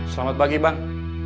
selamat pagi bang